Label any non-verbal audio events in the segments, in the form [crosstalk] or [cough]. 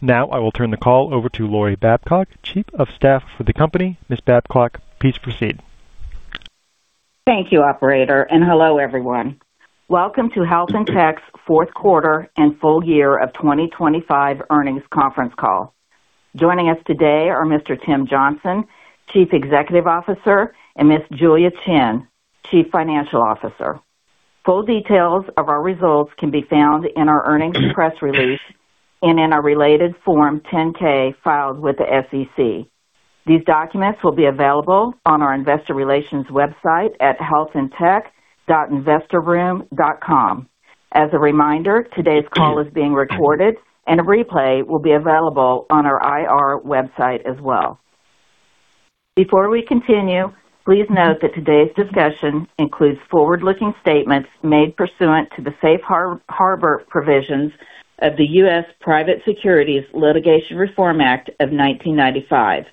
Now I will turn the call over to Lori Babcock, Chief of Staff for the company. Ms. Babcock, please proceed. Thank you, operator, and hello everyone. Welcome to Health In Tech's fourth quarter and full year of 2025 earnings conference call. Joining us today are Mr. Tim Johnson, Chief Executive Officer, and Ms. Julia Qian, Chief Financial Officer. Full details of our results can be found in our earnings press release and in our related Form 10-K filed with the SEC. These documents will be available on our investor relations website at healthintech.investorroom.com. As a reminder, today's call is being recorded and a replay will be available on our IR website as well. Before we continue, please note that today's discussion includes forward-looking statements made pursuant to the Safe Harbor Provisions of the U.S. Private Securities Litigation Reform Act of 1995.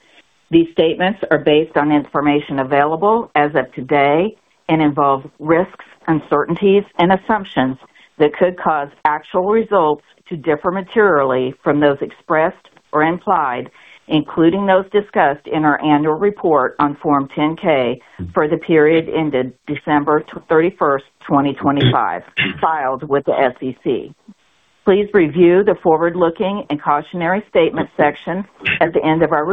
These statements are based on information available as of today and involve risks, uncertainties, and assumptions that could cause actual results to differ materially from those expressed or implied, including those discussed in our annual report on Form 10-K for the period ended December 31st, 2025, filed with the SEC. Please review the forward-looking and cautionary statement section at the end of our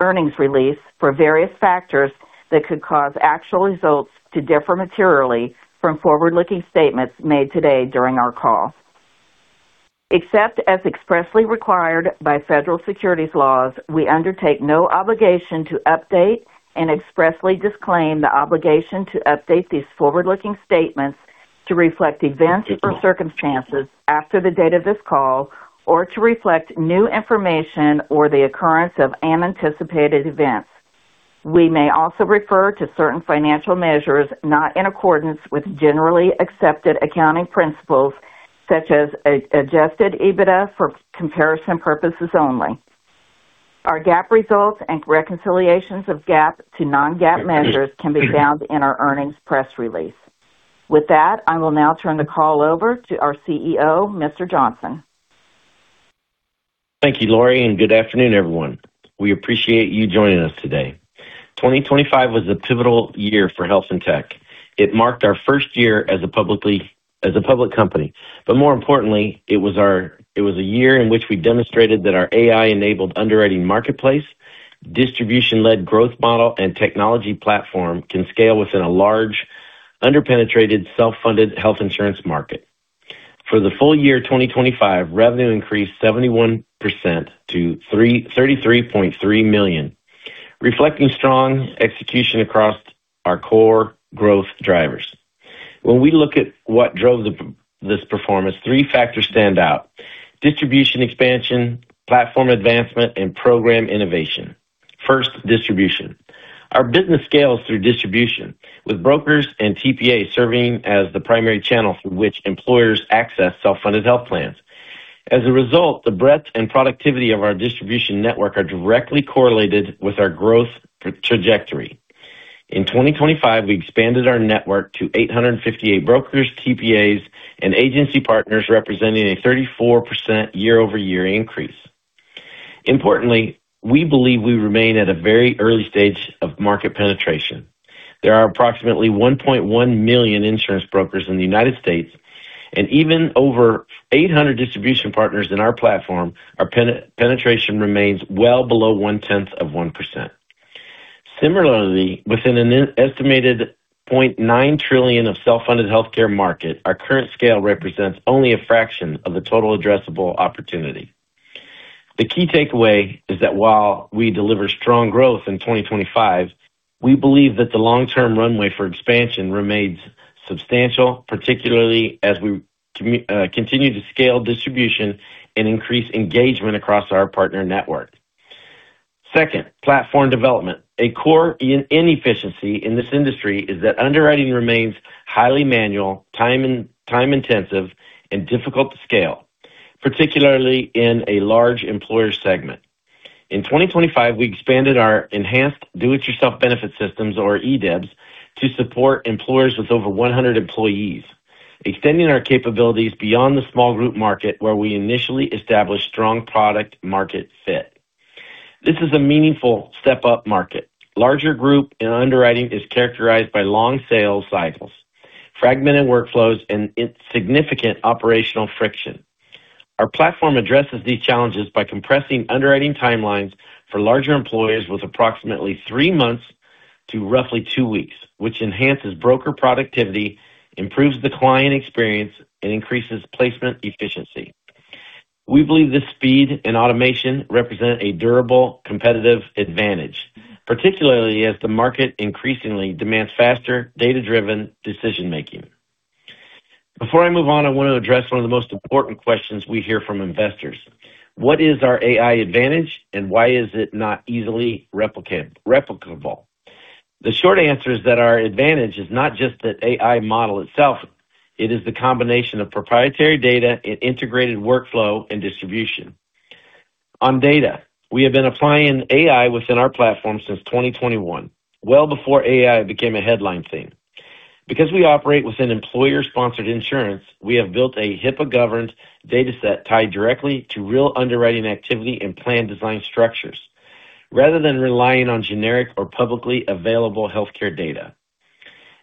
earnings release for various factors that could cause actual results to differ materially from forward-looking statements made today during our call. Except as expressly required by federal securities laws, we undertake no obligation to update and expressly disclaim the obligation to update these forward-looking statements to reflect events or circumstances after the date of this call, or to reflect new information or the occurrence of unanticipated events. We may also refer to certain financial measures not in accordance with generally accepted accounting principles, such as adjusted EBITDA for comparison purposes only. Our GAAP results and reconciliations of GAAP to non-GAAP measures can be found in our earnings press release. With that, I will now turn the call over to our CEO, Mr. Johnson. Thank you, Lori, and good afternoon, everyone. We appreciate you joining us today. 2025 was a pivotal year for Health In Tech. It marked our first year as a public company. More importantly, it was a year in which we demonstrated that our AI-enabled underwriting marketplace, distribution-led growth model, and technology platform can scale within a large under-penetrated self-funded health insurance market. For the full year 2025, revenue increased 71% to $33.3 million, reflecting strong execution across our core growth drivers. When we look at what drove this performance, three factors stand out. Distribution expansion, platform advancement, and program innovation. First, distribution. Our business scales through distribution, with brokers and TPAs serving as the primary channel through which employers access self-funded health plans. As a result, the breadth and productivity of our distribution network are directly correlated with our growth trajectory. In 2025, we expanded our network to 858 brokers, TPAs, and agency partners representing a 34% year-over-year increase. Importantly, we believe we remain at a very early stage of market penetration. There are approximately 1.1 million insurance brokers in the United States, and even over 800 distribution partners in our platform, our penetration remains well below 1/10 of 1%. Similarly, within an estimated $0.9 trillion self-funded healthcare market, our current scale represents only a fraction of the total addressable opportunity. The key takeaway is that while we deliver strong growth in 2025, we believe that the long-term runway for expansion remains substantial, particularly as we continue to scale distribution and increase engagement across our partner network. Second, platform development. A core inefficiency in this industry is that underwriting remains highly manual, time-intensive and difficult to scale, particularly in a large employer segment. In 2025, we expanded our Enhanced Do It Yourself Benefit Systems, or eDIYBS, to support employers with over 100 employees, extending our capabilities beyond the small group market where we initially established strong product market fit. This is a meaningful step upmarket. Larger group underwriting is characterized by long sales cycles, fragmented workflows, and significant operational friction. Our platform addresses these challenges by compressing underwriting timelines for larger employers with approximately three months to roughly two weeks, which enhances broker productivity, improves the client experience, and increases placement efficiency. We believe this speed and automation represent a durable competitive advantage, particularly as the market increasingly demands faster data-driven decision-making. Before I move on, I want to address one of the most important questions we hear from investors. What is our AI advantage, and why is it not easily replicable? The short answer is that our advantage is not just the AI model itself. It is the combination of proprietary data and integrated workflow and distribution. On data, we have been applying AI within our platform since 2021, well before AI became a headline theme. Because we operate within employer-sponsored insurance, we have built a HIPAA-governed data set tied directly to real underwriting activity and plan design structures, rather than relying on generic or publicly available healthcare data.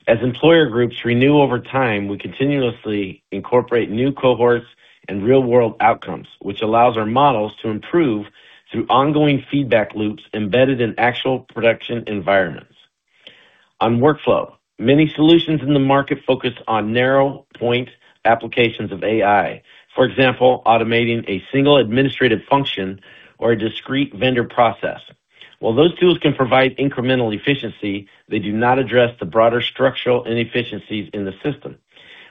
As employer groups renew over time, we continuously incorporate new cohorts and real-world outcomes, which allows our models to improve through ongoing feedback loops embedded in actual production environments. On workflow, many solutions in the market focus on narrow point applications of AI. For example, automating a single administrative function or a discrete vendor process. While those tools can provide incremental efficiency, they do not address the broader structural inefficiencies in the system.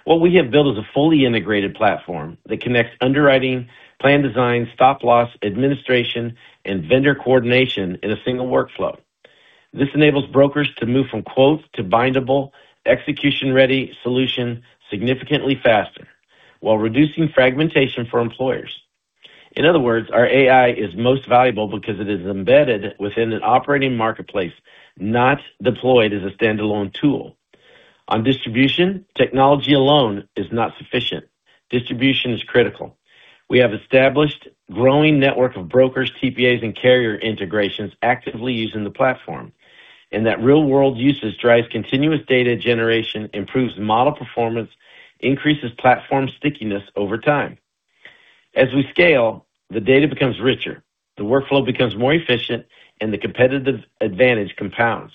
What we have built is a fully integrated platform that connects underwriting, plan design, stop loss administration, and vendor coordination in a single workflow. This enables brokers to move from quotes to bindable execution-ready solution significantly faster while reducing fragmentation for employers. In other words, our AI is most valuable because it is embedded within an operating marketplace, not deployed as a standalone tool. On distribution, technology alone is not sufficient. Distribution is critical. We have established growing network of brokers, TPAs, and carrier integrations actively using the platform, and that real-world usage drives continuous data generation, improves model performance, increases platform stickiness over time. As we scale, the data becomes richer, the workflow becomes more efficient, and the competitive advantage compounds.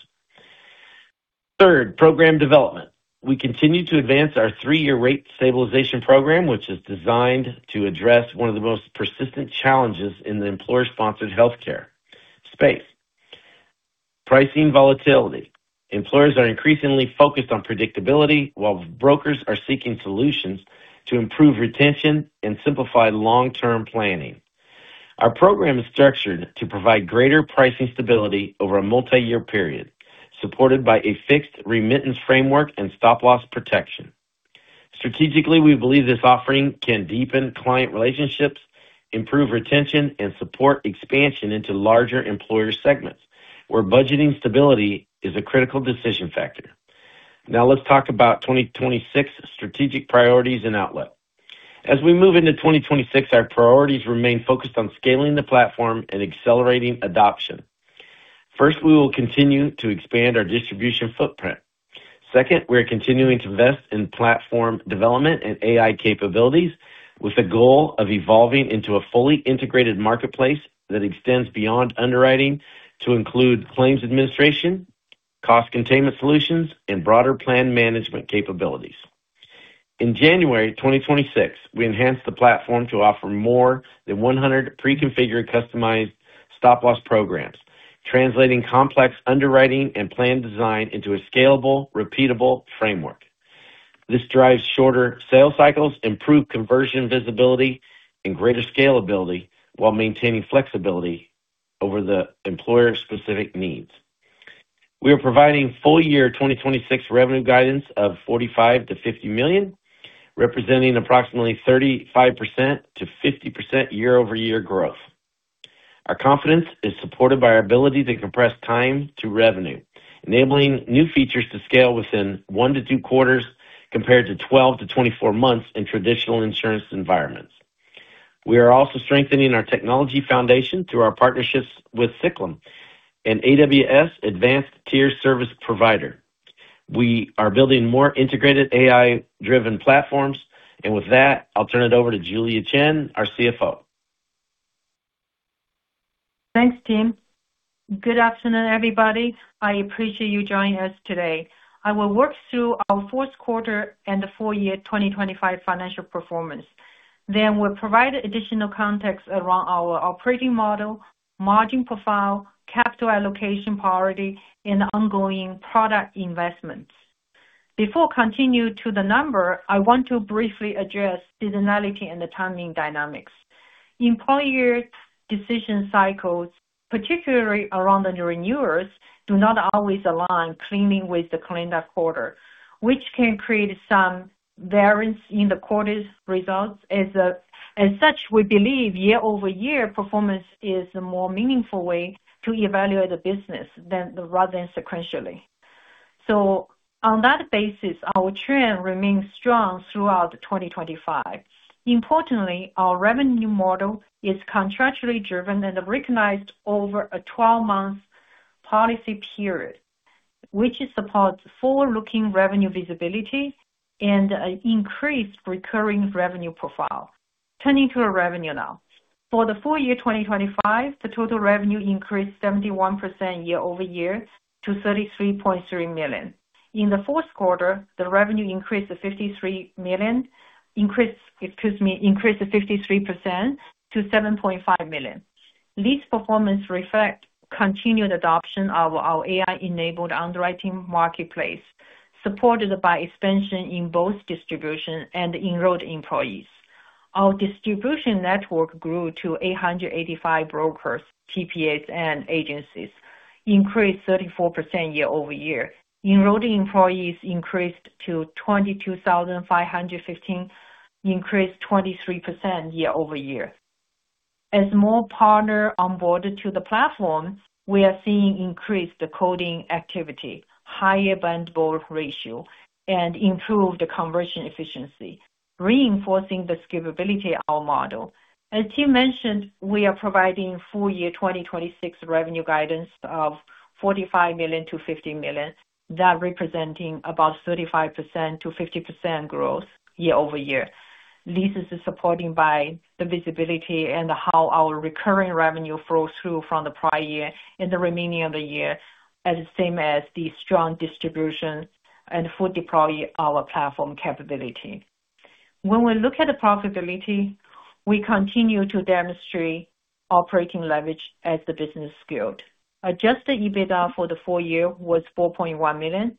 Third, program development. We continue to advance our three-year rate stabilization program, which is designed to address one of the most persistent challenges in the employer-sponsored healthcare space, pricing volatility. Employers are increasingly focused on predictability, while brokers are seeking solutions to improve retention and simplify long-term planning. Our program is structured to provide greater pricing stability over a multiyear period, supported by a fixed remittance framework and stop loss protection. Strategically, we believe this offering can deepen client relationships, improve retention, and support expansion into larger employer segments where budgeting stability is a critical decision factor. Now let's talk about 2026 strategic priorities and outlook. As we move into 2026, our priorities remain focused on scaling the platform and accelerating adoption. First, we will continue to expand our distribution footprint. Second, we are continuing to invest in platform development and AI capabilities with the goal of evolving into a fully integrated marketplace that extends beyond underwriting to include claims administration, cost containment solutions, and broader plan management capabilities. In January 2026, we enhanced the platform to offer more than 100 pre-configured customized stop loss programs, translating complex underwriting and plan design into a scalable, repeatable framework. This drives shorter sales cycles, improved conversion visibility, and greater scalability while maintaining flexibility over the employer-specific needs. We are providing full year 2026 revenue guidance of $45 million-$50 million, representing approximately 35%-50% year-over-year growth. Our confidence is supported by our ability to compress time to revenue, enabling new features to scale within 1-2 quarters compared to 12-24 months in traditional insurance environments. We are also strengthening our technology foundation through our partnerships with Ciklum and AWS Advanced Tier Services provider. We are building more integrated AI-driven platforms. With that, I'll turn it over to Julia Qian, our CFO. Thanks, Tim. Good afternoon, everybody. I appreciate you joining us today. I will walk through our fourth quarter and the full year 2025 financial performance. Then we'll provide additional context around our operating model, margin profile, capital allocation priority, and ongoing product investments. Before continue to the number, I want to briefly address seasonality and the timing dynamics. Employer decision cycles, particularly around the renewers, do not always align cleanly with the calendar quarter, which can create some variance in the quarter's results. As such, we believe year-over-year performance is a more meaningful way to evaluate the business rather than sequentially. On that basis, our trend remains strong throughout 2025. Importantly, our revenue model is contractually driven and recognized over a 12-month policy period, which supports forward-looking revenue visibility and an increased recurring revenue profile. Turning to our revenue now. For the full year 2025, the total revenue increased 71% year-over-year to $33.3 million. In the fourth quarter, the revenue increased 53% to $7.5 million. These performance reflect continued adoption of our AI-enabled underwriting marketplace, supported by expansion in both distribution and enrolled employees. Our distribution network grew to 885 brokers, TPAs, and agencies, increased 34% year-over-year. Enrolled employees increased to 22,515, increased 23% year-over-year. As more partner onboarded to the platform, we are seeing increased quoting activity, higher bind rate, and improved conversion efficiency, reinforcing the scalability of our model. As Tim mentioned, we are providing full year 2026 revenue guidance of $45 million-$50 million. That representing about 35%-50% growth year-over-year. This is supported by the visibility and how our recurring revenue flows through from the prior year and the remainder of the year, as well as the strong distribution and fully deploying our platform capability. When we look at the profitability, we continue to demonstrate operating leverage as the business scaled. Adjusted EBITDA for the full year was $4.1 million,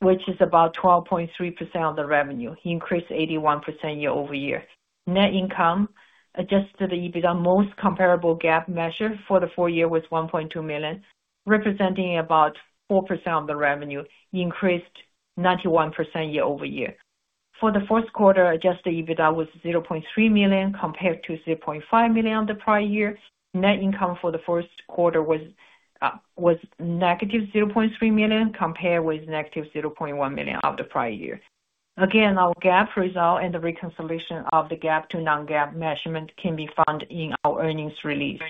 which is about 12.3% of the revenue, increased 81% year-over-year. Net income, the most comparable GAAP measure for the full year was $1.2 million, representing about 4% of the revenue, increased 91% year-over-year. For the fourth quarter, adjusted EBITDA was $0.3 million compared to $3.5 million the prior year. Net income for the first quarter was -$0.3 million compared with -$0.1 million of the prior year. Again, our GAAP result and the reconciliation of the GAAP to non-GAAP measurement can be found in our earnings release.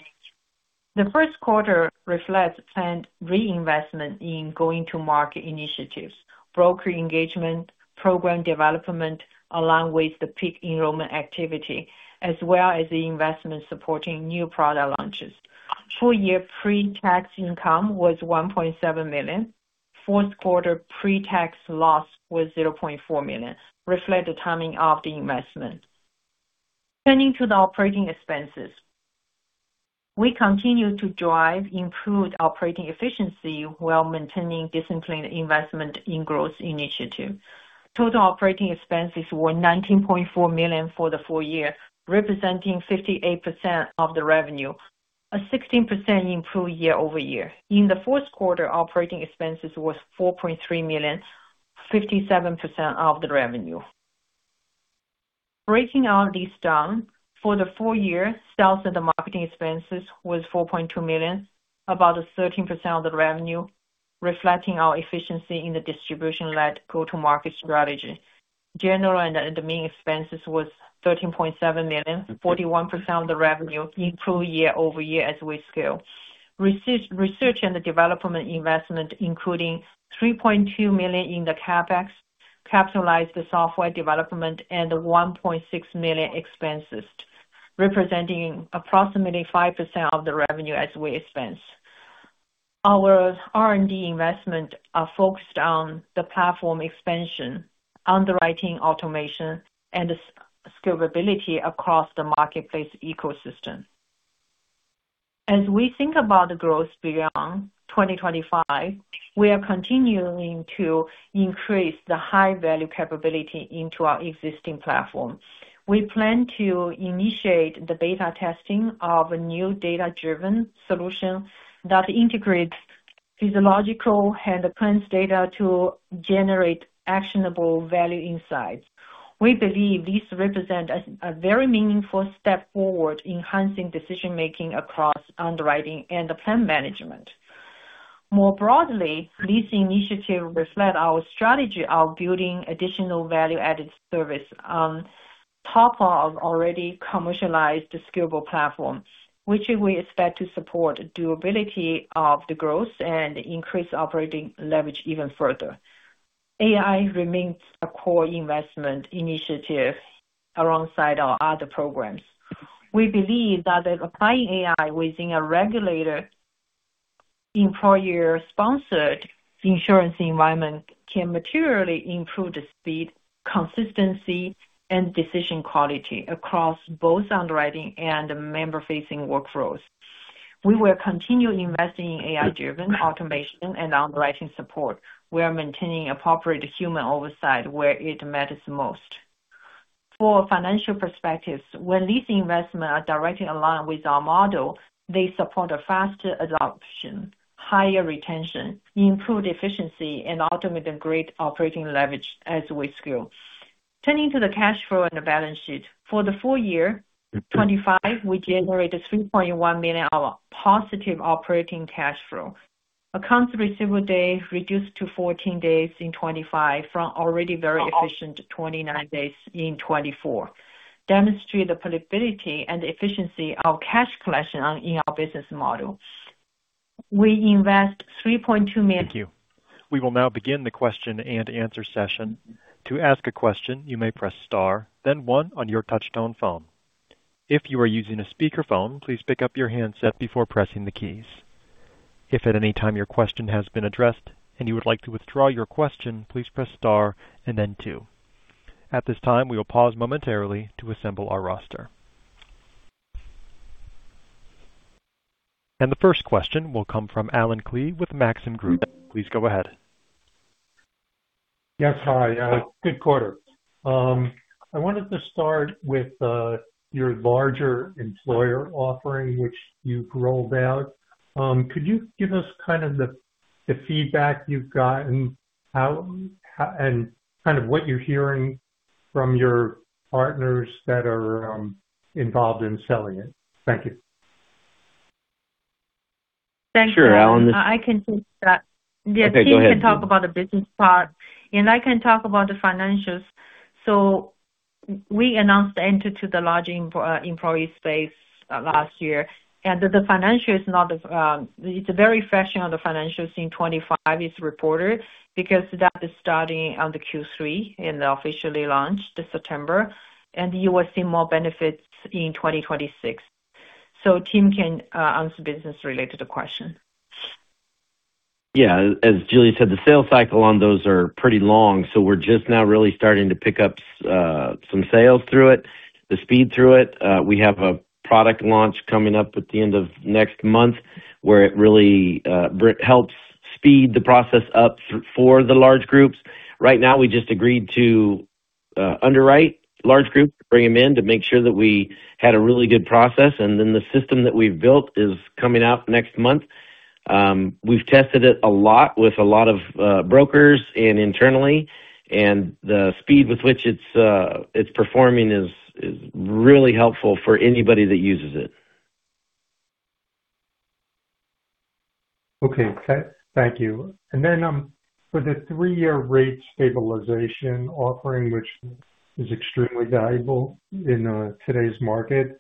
The first quarter reflects planned reinvestment in going-to-market initiatives, broker engagement, program development along with the peak enrollment activity, as well as the investment supporting new product launches. Full year pre-tax income was $1.7 million. Fourth quarter pre-tax loss was $0.4 million, reflecting the timing of the investment. Turning to the operating expenses. We continue to drive improved operating efficiency while maintaining disciplined investment in growth initiative. Total operating expenses were $19.4 million for the full year, representing 58% of the revenue, a 16% improvement year-over-year. In the fourth quarter, operating expenses was $4.3 million, 57% of the revenue. Breaking all this down, for the full year, sales and the marketing expenses was $4.2 million, about 13% of the revenue, reflecting our efficiency in the distribution-led go-to-market strategy. General and admin expenses was $13.7 million, 41% of the revenue improved year-over-year as we scale. Research and development investment, including $3.2 million in the CapEx, capitalized the software development and $1.6 million expenses, representing approximately 5% of the revenue as we expense. Our R&D investment are focused on the platform expansion, underwriting automation, and the scalability across the marketplace ecosystem. As we think about the growth beyond 2025, we are continuing to increase the high value capability into our existing platform. We plan to initiate the beta testing of a new data-driven solution that integrates physiological and claims data to generate actionable value insights. We believe this represent a very meaningful step forward, enhancing decision making across underwriting and plan management. More broadly, this initiative reflect our strategy of building additional value-added service on top of already commercialized scalable platform, which we expect to support durability of the growth and increase operating leverage even further. AI remains a core investment initiative alongside our other programs. We believe that applying AI within a regulated employer-sponsored insurance environment can materially improve the speed, consistency, and decision quality across both underwriting and member-facing workflows. We will continue investing in AI-driven automation and underwriting support. We are maintaining appropriate human oversight where it matters most. For financial perspectives, when these investments are directly aligned with our model, they support a faster adoption, higher retention, improved efficiency, and ultimately great operating leverage as we scale. Turning to the cash flow and the balance sheet. For the full year 2025, we generated $3.1 million of positive operating cash flow. Accounts receivable days reduced to 14 days in 2025 from already very efficient 29 days in 2024, demonstrate the collectibility and efficiency of cash collection and in our business model. We invest $3.2 million. Thank you. We will now begin the question-and-answer session. To ask a question, you may press star then one on your touchtone phone. If you are using a speakerphone, please pick up your handset before pressing the keys. If at any time your question has been addressed and you would like to withdraw your question, please press star and then two. At this time, we will pause momentarily to assemble our roster. The first question will come from Allen Klee with Maxim Group. Please go ahead. Yes. Hi. Good quarter. I wanted to start with your larger employer offering which you've rolled out. Could you give us kind of the The feedback you've gotten, and kind of what you're hearing from your partners that are involved in selling it. Thank you. Thank you. Sure, Alan. I can take that. Okay, go ahead. Yeah, Tim can talk about the business part, and I can talk about the financials. We announced the entry to the large employer, employee space last year. The financial is not, it's very fresh on the financials in 2025 is reported because that is starting on the Q3 and officially launched this September, and you will see more benefits in 2026. Tim can answer business related question. Yeah. As Julie said, the sales cycle on those are pretty long, so we're just now really starting to pick up some sales through it, the speed through it. We have a product launch coming up at the end of next month where it really helps speed the process up for the large groups. Right now, we just agreed to underwrite large groups, bring them in to make sure that we had a really good process, and then the system that we've built is coming out next month. We've tested it a lot with a lot of brokers and internally, and the speed with which it's performing is really helpful for anybody that uses it. Okay. Thank you. For the Three-Year Rate Stabilization offering, which is extremely valuable in today's market,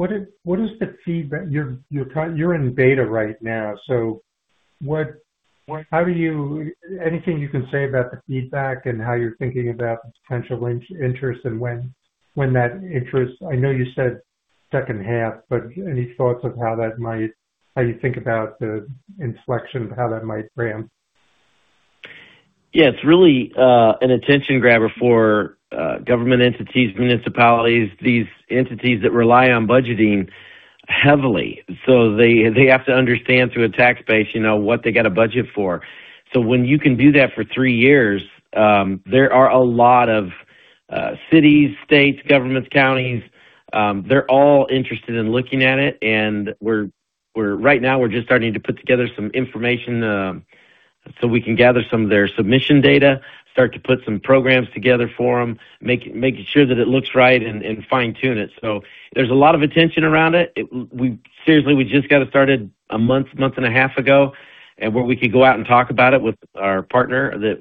what is the feedback? You're in beta right now, so anything you can say about the feedback and how you're thinking about the potential interest and when that interest, I know you said second half, but any thoughts of how you think about the inflection of how that might ramp? Yeah. It's really an attention grabber for government entities, municipalities, these entities that rely on budgeting heavily. They have to understand through a tax base, you know, what they got a budget for. When you can do that for three years, there are a lot of cities, states, governments, counties. They're all interested in looking at it. We're right now just starting to put together some information so we can gather some of their submission data, start to put some programs together for them, making sure that it looks right and fine-tune it. There's a lot of attention around it. Seriously, we just got it started a month and a half ago, and now we could go out and talk about it with our partner,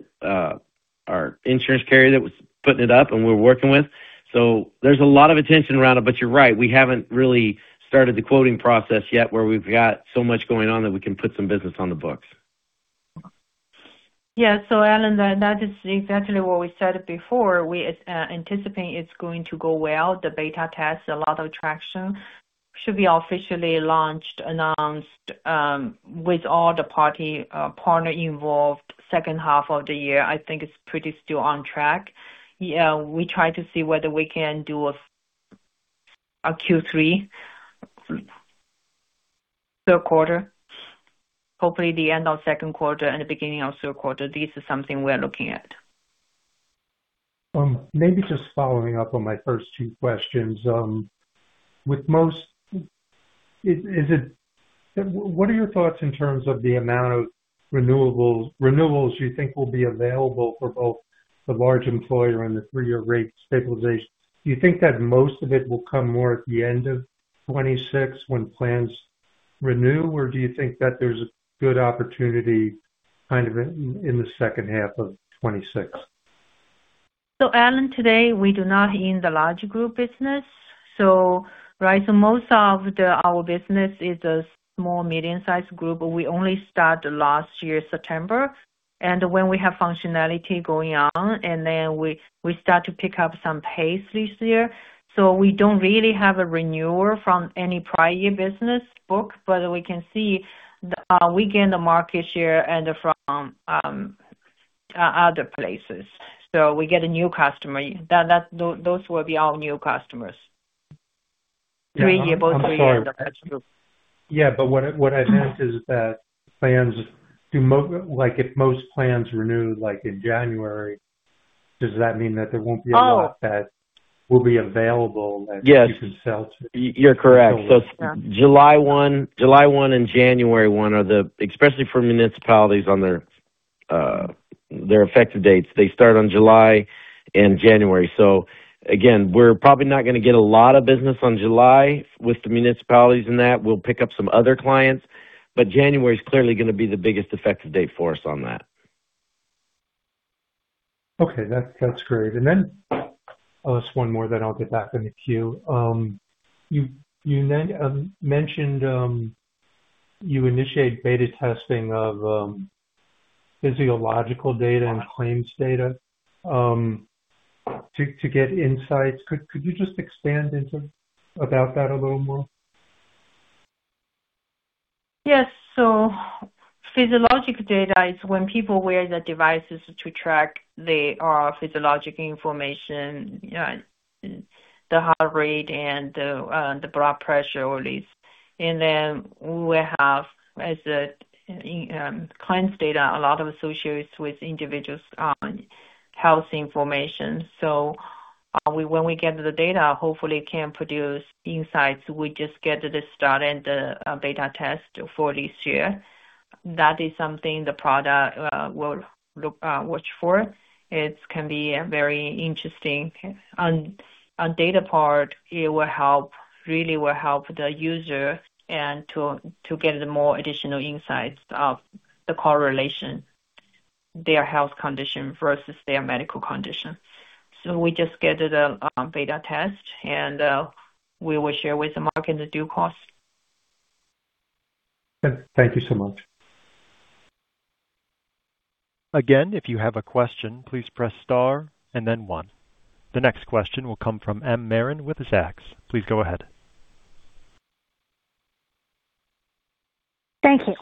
our insurance carrier that was putting it up and we're working with. There's a lot of attention around it. You're right, we haven't really started the quoting process yet with so much going on that we can put some business on the books. Yeah, Allen, that is exactly what we said before. We anticipate it's going to go well. The beta test, a lot of traction. It should be officially launched, announced with all the partners involved second half of the year. I think it's still pretty on track. Yeah, we try to see whether we can do a Q3. Third quarter. Hopefully the end of second quarter and the beginning of third quarter. This is something we are looking at. Maybe just following up on my first two questions. What are your thoughts in terms of the amount of renewals you think will be available for both the large employer and the Three-Year Rate Stabilization? Do you think that most of it will come more at the end of 2026 when plans renew, or do you think that there's a good opportunity kind of in the second half of 2026? Alan, today we do not in the large group business. Right? Most of our business is a small, medium-sized group. We only start last year, September. When we have functionality going on and then we start to pick up some pace this year. We don't really have a renewal from any prior year business book, but we can see we gain market share from other places. We get a new customer. Those will be our new customers. Three-year. Oh, I'm sorry. [crosstalk] That's true. What I meant is that, like, if most plans renew like in January, does that mean that there won't be. Oh. A lot that will be available that. Yes. You can sell to? You're correct. July 1 and January 1 are the especially for municipalities on their effective dates. They start on July and January. Again, we're probably not gonna get a lot of business on July with the municipalities in that. We'll pick up some other clients, but January is clearly gonna be the biggest effective date for us on that. Okay. That's great. I'll ask one more, then I'll get back in the queue. You mentioned you initiate beta testing of physiological data and claims data to get insights. Could you just expand a bit about that a little more? Yes. Physiologic data is when people wear the devices to track their physiologic information, the heart rate and the blood pressure. [audio distortion] Then we have claims data, a lot associated with individuals health information. When we get the data, hopefully it can produce insights. We just get this started, the beta test for this year. That is something the product will watch for. It can be very interesting. On data part, it will help, really will help the user and to get more additional insights of the correlation, their health condition versus their medical condition. We just get it beta test and we will share with the market the results. Thank you so much. Again, if you have a question, please press star and then one. The next question will come from M. Marin with Zacks. Please go ahead. Thank you.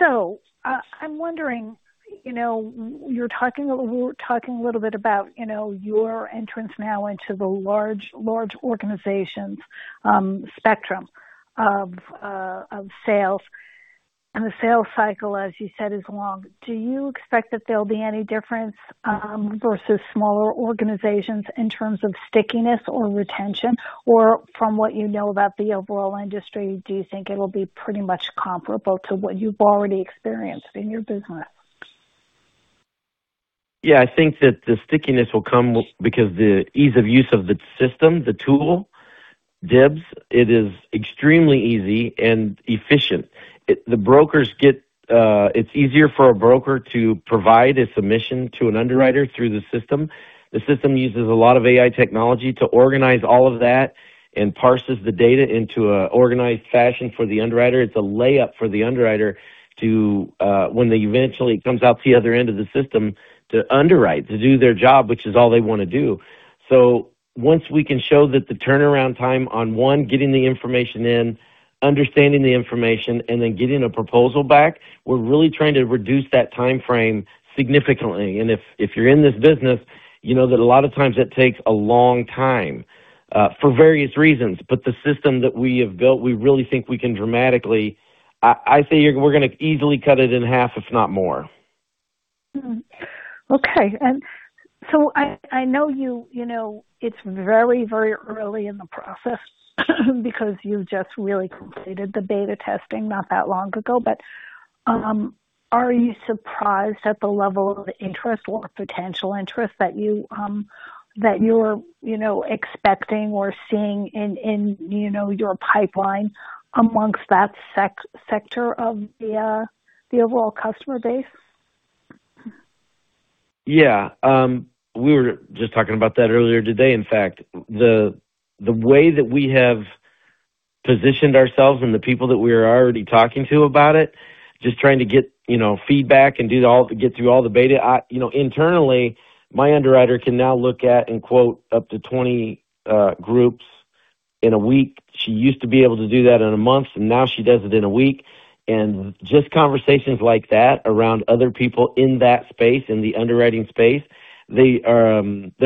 So, I'm wondering, you know, you're talking a little bit about, you know, your entrance now into the large organizations spectrum of sales. The sales cycle, as you said, is long. Do you expect that there'll be any difference versus smaller organizations in terms of stickiness or retention? Or from what you know about the overall industry, do you think it will be pretty much comparable to what you've already experienced in your business? Yeah, I think that the stickiness will come because the ease of use of the system, the tool, DIYBS. It is extremely easy and efficient. The brokers get, it's easier for a broker to provide a submission to an underwriter through the system. The system uses a lot of AI technology to organize all of that and parses the data into an organized fashion for the underwriter. It's a layup for the underwriter to, when they eventually comes out the other end of the system to underwrite, to do their job, which is all they wanna do. Once we can show that the turnaround time on, one, getting the information in, understanding the information, and then getting a proposal back, we're really trying to reduce that timeframe significantly. If you're in this business, you know that a lot of times it takes a long time for various reasons. The system that we have built, we really think we can dramatically, I say we're gonna easily cut it in half, if not more. I know you know it's very early in the process because you just really completed the beta testing not that long ago. But are you surprised at the level of interest or potential interest that you're expecting or seeing in your pipeline amongst that sector of the overall customer base? Yeah. We were just talking about that earlier today, in fact. The way that we have positioned ourselves and the people that we are already talking to about it, just trying to get, you know, feedback and do all, get through all the beta. You know, internally, my underwriter can now look at and quote up to 20 groups in a week. She used to be able to do that in a month, and now she does it in a week. Just conversations like that around other people in that space, in the underwriting space, they're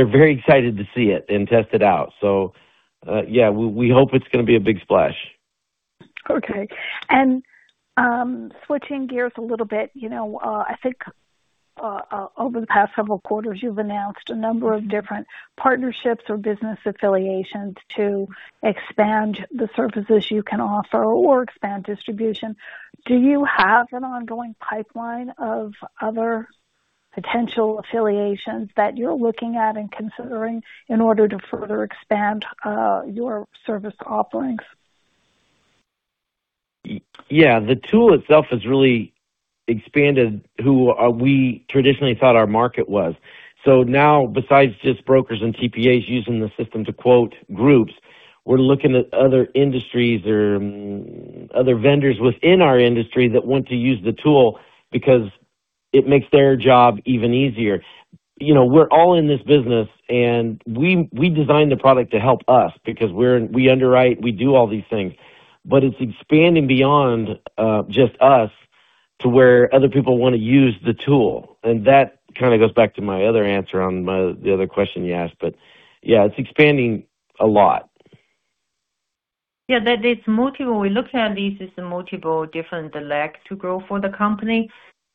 very excited to see it and test it out. So, yeah, we hope it's gonna be a big splash. Okay. Switching gears a little bit, you know, I think over the past several quarters, you've announced a number of different partnerships or business affiliations to expand the services you can offer or expand distribution. Do you have an ongoing pipeline of other potential affiliations that you're looking at and considering in order to further expand your service offerings? Yeah. The tool itself has really expanded who we traditionally thought our market was. Now, besides just brokers and TPAs using the system to quote groups, we're looking at other industries or other vendors within our industry that want to use the tool because it makes their job even easier. You know, we're all in this business, and we designed the product to help us because we underwrite, we do all these things. It's expanding beyond just us to where other people wanna use the tool. That kinda goes back to my other answer on the other question you asked. Yeah, it's expanding a lot. Yeah, that is multiple. We looked at this as a multiple different leg to grow for the company.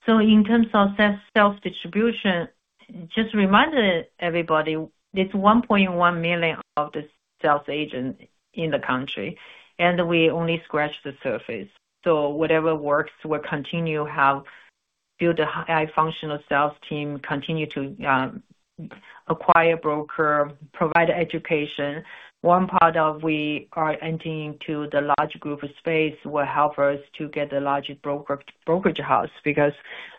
In terms of sales distribution, just remind everybody, it's 1.1 million of the sales agents in the country, and we only scratch the surface. Whatever works, we'll continue to build a highly functional sales team, continue to acquire brokers, provide education. One part of we are entering into the large group space will help us to get a larger broker, brokerage house because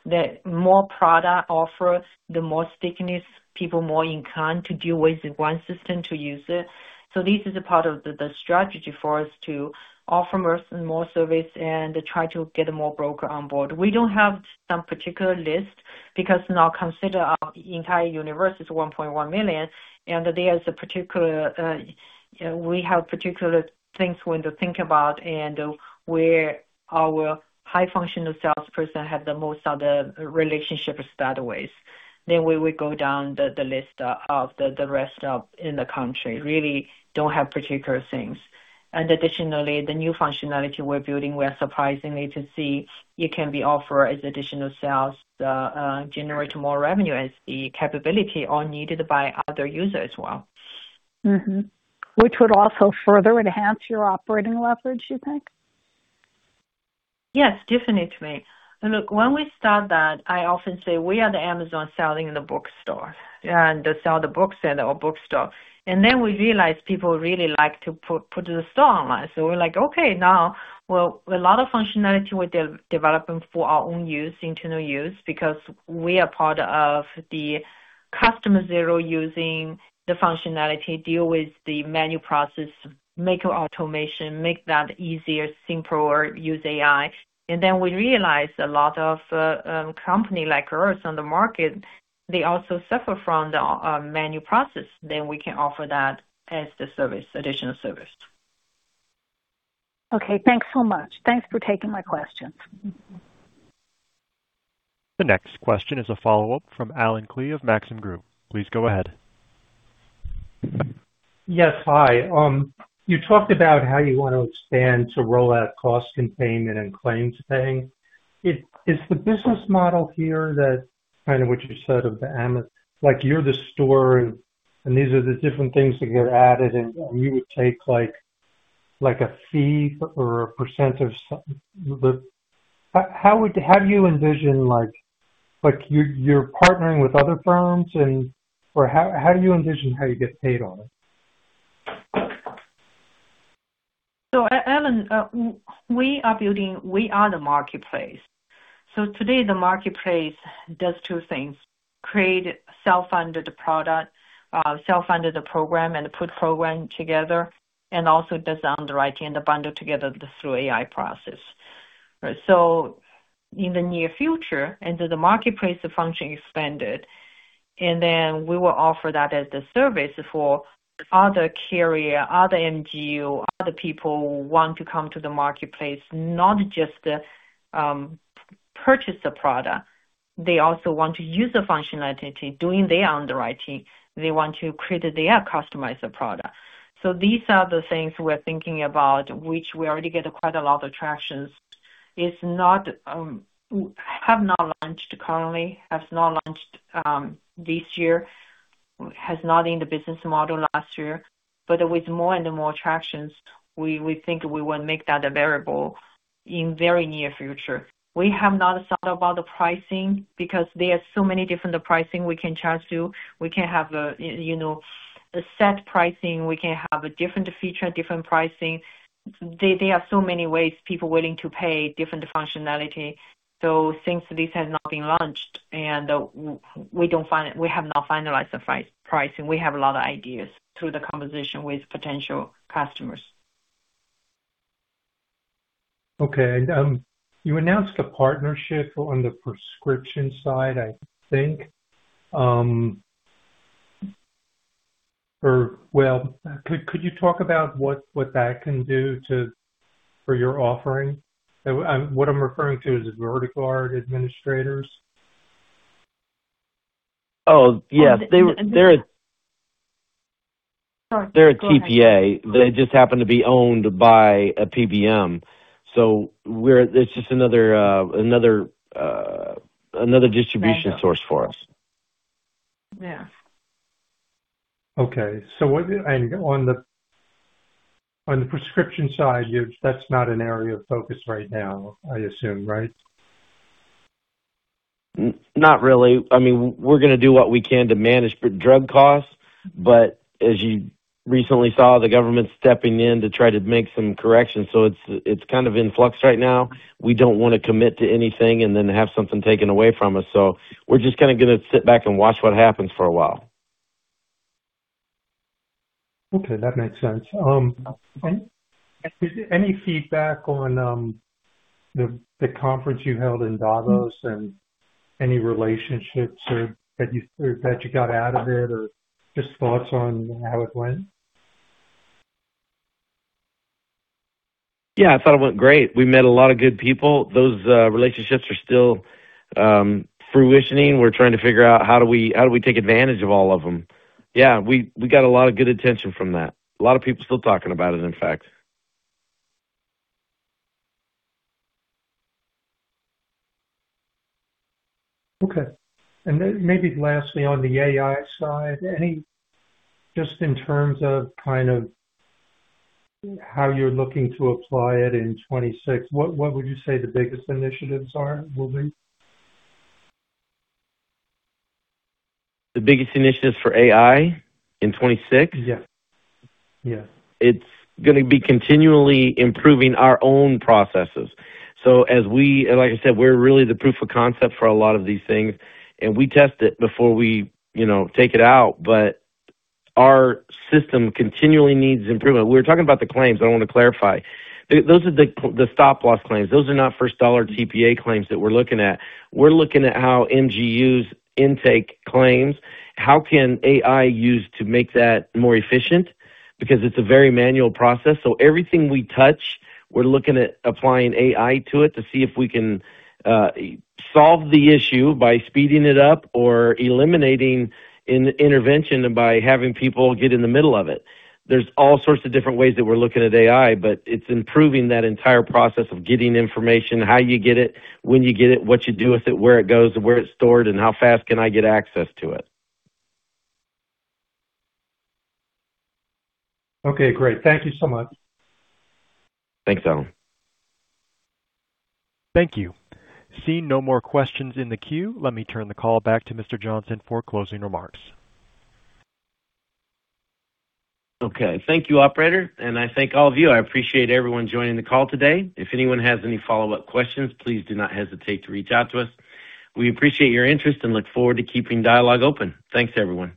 the more product offers, the more stickiness, people are more inclined to deal with one system to use it. This is a part of the strategy for us to offer more service and try to get more brokers on board. We don't have some particular list because now consider our entire universe is 1.1 million, and there's a particular, we have particular things we need to think about and where our high functional salesperson have the most of the relationship start with. We will go down the list of the rest of the country. We really don't have particular things. Additionally, the new functionality we're building, we are surprised to see it can be offered as additional sales to generate more revenue as the capability are needed by other users as well. Which would also further enhance your operating leverage, you think? Yes, definitely. Look, when we start that, I often say we are the Amazon selling the bookstore and to sell the bookseller or bookstore. We realized people really like to put the store online. We're like, okay, well, a lot of functionality we're developing for our own use, internal use, because we are part of the customer zero using the functionality, deal with the manual process, make automation, make that easier, simpler, use AI. We realized a lot of company like ours on the market, they also suffer from the manual process. We can offer that as the service, additional service. Okay, thanks so much. Thanks for taking my questions. The next question is a follow-up from Allen Klee of Maxim Group. Please go ahead. Yes. Hi. You talked about how you want to expand to roll out cost containment and claims paying. Is the business model here that kind of what you said of like you're the store and these are the different things that get added and you would take like a fee or a percent of. How would have you envisioned like you're partnering with other firms or how do you envision how you get paid on it? Allen, we are building. We are the marketplace. Today, the marketplace does two things, create self-funded program and put program together, and also does underwriting and bundle together through AI process. In the near future, the marketplace function expanded, and then we will offer that as the service for other carrier, other MGU, other people who want to come to the marketplace, not just purchase a product. They also want to use the functionality, doing their underwriting. They want to create their customized product. These are the things we're thinking about, which we already get quite a lot of traction. It has not launched currently, has not launched this year, has not in the business model last year. With more and more traction, we think we will make that available in very near future. We have not thought about the pricing because there are so many different pricing we can charge to. We can have a, you know, a set pricing. We can have a different feature, different pricing. There are so many ways people willing to pay different functionality. Since this has not been launched and we have not finalized the pricing, we have a lot of ideas through the conversation with potential customers. Okay. You announced a partnership on the prescription side, I think. Or well, could you talk about what that can do for your offering? What I'm referring to is the vertical administrators. Oh, yes. And the. They're a. Oh, go ahead. They're a TPA. They just happen to be owned by a PBM. It's just another distribution source for us. Yeah. Okay. On the prescription side, that's not an area of focus right now, I assume, right? Not really. I mean, we're gonna do what we can to manage drug costs, but as you recently saw, the government's stepping in to try to make some corrections, so it's kind of in flux right now. We don't wanna commit to anything and then have something taken away from us, so we're just kinda gonna sit back and watch what happens for a while. Okay, that makes sense. Any feedback on the conference you held in Davos and any relationships or that you got out of it or just thoughts on how it went? Yeah, I thought it went great. We met a lot of good people. Those relationships are still fruitioning. We're trying to figure out how do we take advantage of all of them. Yeah, we got a lot of good attention from that. A lot of people still talking about it, in fact. Okay. Maybe lastly, on the AI side, any just in terms of kind of how you're looking to apply it in 2026, what would you say the biggest initiatives are, will be? The biggest initiatives for AI in 2026? Yes. Yes. It's gonna be continually improving our own processes. As we like I said, we're really the proof of concept for a lot of these things, and we test it before we, you know, take it out. Our system continually needs improvement. We're talking about the claims, I wanna clarify. Those are the stop-loss claims. Those are not first-dollar TPA claims that we're looking at. We're looking at how MGUs intake claims, how can AI use to make that more efficient? Because it's a very manual process, so everything we touch, we're looking at applying AI to it to see if we can solve the issue by speeding it up or eliminating intervention by having people get in the middle of it. There's all sorts of different ways that we're looking at AI, but it's improving that entire process of getting information, how you get it, when you get it, what you do with it, where it goes, where it's stored, and how fast can I get access to it. Okay, great. Thank you so much. Thanks, Allen. Thank you. Seeing no more questions in the queue, let me turn the call back to Mr. Johnson for closing remarks. Okay. Thank you, operator, and I thank all of you. I appreciate everyone joining the call today. If anyone has any follow-up questions, please do not hesitate to reach out to us. We appreciate your interest and look forward to keeping dialogue open. Thanks, everyone.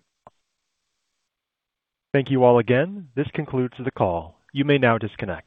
Thank you all again. This concludes the call. You may now disconnect.